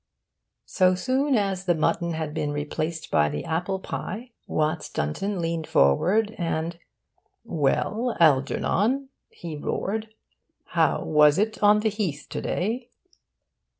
So soon as the mutton had been replaced by the apple pie, Watts Dunton leaned forward and 'Well, Algernon,' he roared, 'how was it on the Heath to day?